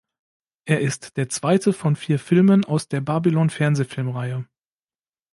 Er ist der zweite von vier Filmen aus der Babylon-Fernsehfilmreihe.